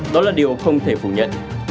đó là điều không thể phủ nhận